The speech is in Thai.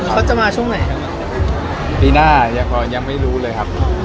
เขาจะมาช่วงไหนครับปีหน้ายังพอยังไม่รู้เลยครับ